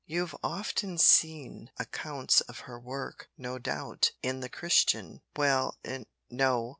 You've often seen accounts of her work, no doubt, in the Christian?" "Well n no.